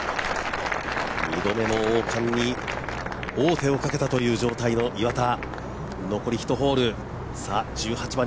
２度目の王冠に王手をかけた状態の岩田。